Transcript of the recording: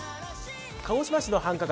鹿児島市の繁華街